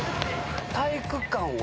体育館は？